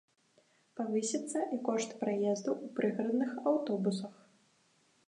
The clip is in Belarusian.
Павысіцца і кошт праезду ў прыгарадных аўтобусах.